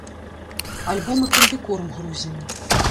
Альбо мы камбікорм грузім.